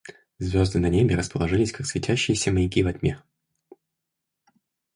Звезды на небе расположились как светящиеся маяки во тьме.